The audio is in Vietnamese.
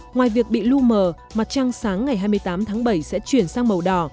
ngoài việc bị lưu mờ mặt trăng sáng ngày hai mươi tám tháng bảy sẽ chuyển sang màu đỏ